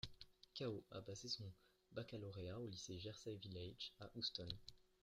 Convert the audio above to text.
Cao a passé son Baccalauréat au lycée Jersey Village à Houston.